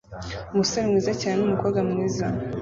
umusore mwiza cyane numukobwa mwiza